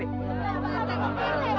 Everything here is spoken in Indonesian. betul pak rt betul itu